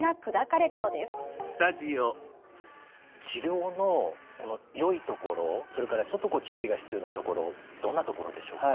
治療のよいところそれからちょっと注意が必要なところどんなところでしょうか？